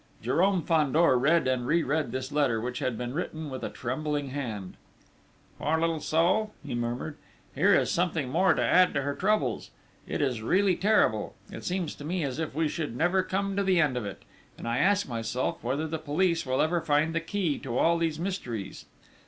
"_ Jérôme Fandor read and reread this letter, which had been written with a trembling hand. "Poor little soul!" he murmured. "Here is something more to add to her troubles! It is really terrible! It seems to me as if we should never come to the end of it; and I ask myself, whether the police will ever find the key to all these mysteries!...